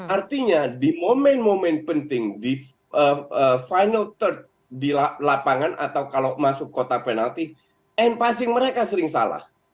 artinya di momen momen penting di final third di lapangan atau kalau masuk kota penalti end passing mereka sering salah